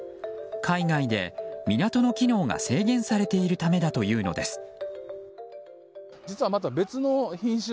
海外で港の機能が制限されているためだというのです。